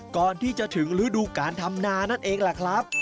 ก่อนที่จะถึงฤดูการทำนานั่นเองแหละครับ